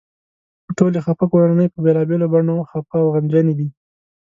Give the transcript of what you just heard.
خو ټولې خپه کورنۍ په بېلابېلو بڼو خپه او غمجنې دي.